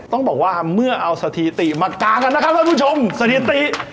ต้องบอกว่าเมื่อเอาสถิติมากางกันนะครับท่านผู้ชมสถิติ